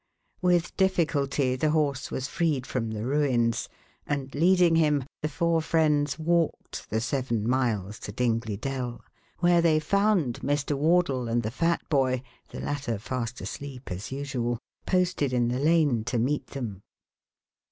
With difficulty the horse was freed from the ruins and, leading him, the four friends walked the seven miles to Dingley Dell, where they found Mr. Wardle and the fat boy, the latter fast asleep as usual, posted in the lane to meet them.